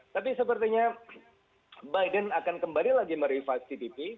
tapi sepertinya biden akan kembali lagi merevise tpp